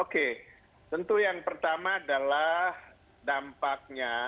oke tentu yang pertama adalah dampaknya